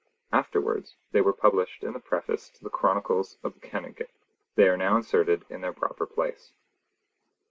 Afterwards they were published in the Preface to the Chronicles of the Canongate. They are now inserted in their proper place.